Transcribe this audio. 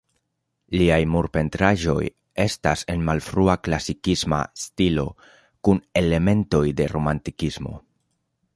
Liaj murpentraĵoj estas en malfrua klasikisma stilo kun elementoj de romantikismo.